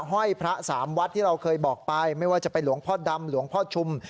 ห้อยพระสามวัดที่เราเคยบอกไปไม่ว่าจะเป็นหลวงพ่อดำหลวงพ่อชุม